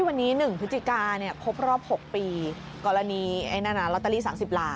วันนี้๑พฤศจิกาเนี่ยครบรอบ๖ปีกรณีไอ้นั่นลอตเตอรี่๓๐ล้าน